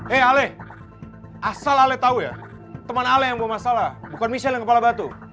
eh aleh asal ale tahu ya teman ale yang bawa masalah bukan michelle yang kepala batu